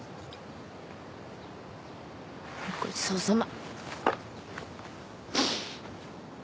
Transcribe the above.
ごちそうさま。